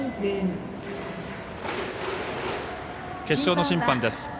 決勝の審判です。